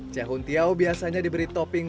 cehuntiau biasanya diberi topping